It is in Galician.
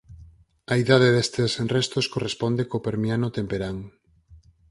A idade destes restos corresponde co Permiano temperán.